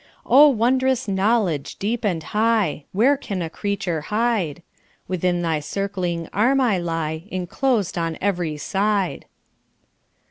"Oh, wondrous knowledge, deep and high! Where can a creature hide! Within thy circling arm I lie, Inclosed on every side."